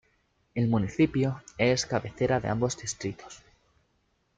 El municipio es cabecera de ambos distritos.